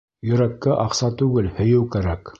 Йөрәккә аҡса түгел, һөйөү кәрәк.